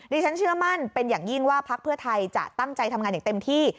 ดิฉันเชื่อมั่นเป็นอย่างยิ่งว่าพักเพื่อไทยจะตั้งใจทำงานอย่างเต็มที่